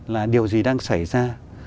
là điều gì đang xảy ra